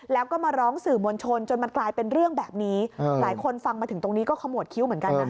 แล้วก็มาร้องสื่อมวลชนจนมันกลายเป็นเรื่องแบบนี้หลายคนฟังมาถึงตรงนี้ก็ขมวดคิ้วเหมือนกันนะ